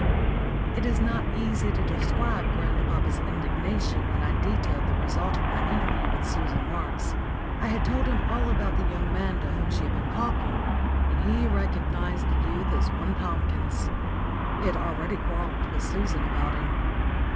*_ It is not easy to describe grandpapa's indignation when I detailed the result of my interview with Susan Marks. I told him all about the young man to whom she had been talking, and he recognised the youth as one Tomkins. He had already quarrelled with Susan about him.